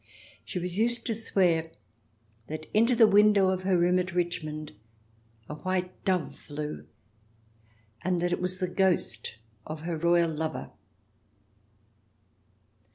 She was used to swear that into the window of her room at Richmond a white dove flew, and that it was the ghost of her royal lover.